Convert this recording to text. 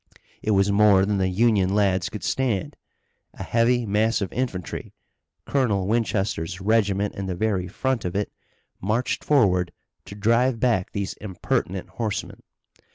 It was more than the Union lads could stand. A heavy mass of infantry, Colonel Winchester's regiment in the very front of it, marched forward to drive back these impertinent horsemen.